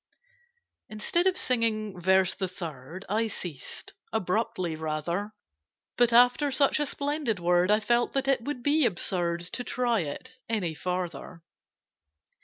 Instead of singing Verse the Third, I ceased—abruptly, rather: But, after such a splendid word I felt that it would be absurd To try it any farther.